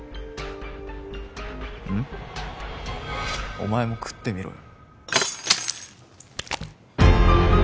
お前も食ってみろよ。